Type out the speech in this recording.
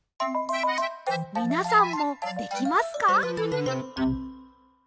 みなさんもできますか？